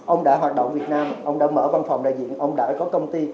ông đã hoạt động việt nam ông đã mở văn phòng đại diện ông đã có công ty